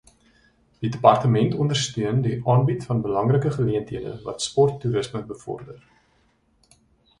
Die Departement ondersteun die aanbied van belangrike geleenthede wat sporttoerisme bevorder.